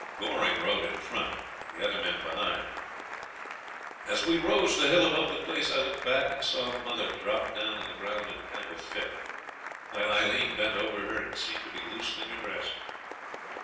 Goring rode in front and the other men behind. As we rose the hill above the place I looked back and saw mother drop down on the ground in a kind of fit, while Aileen bent over her and seemed to be loosening her dress.